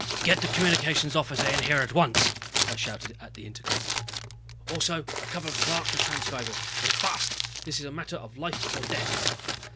"Get the Communications Officer in here at once," I shouted at the intercom. "Also a couple of clerks with transcribers. And fast this is a matter of life or death!"